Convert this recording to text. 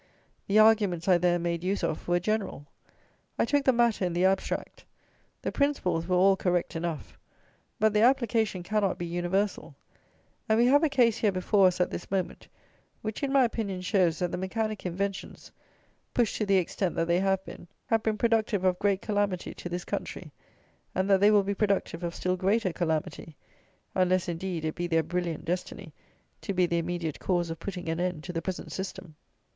The arguments I there made use of were general. I took the matter in the abstract. The principles were all correct enough; but their application cannot be universal; and we have a case here before us, at this moment, which, in my opinion, shows that the mechanic inventions, pushed to the extent that they have been, have been productive of great calamity to this country, and that they will be productive of still greater calamity; unless, indeed, it be their brilliant destiny to be the immediate cause of putting an end to the present system.